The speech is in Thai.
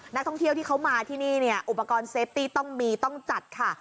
นักท่องเที่ยวที่เขามาที่นี่เนี่ยอุปกรณ์เซฟตี้ต้องมีต้องจัดค่ะ